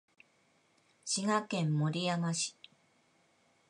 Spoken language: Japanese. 滋賀県守山市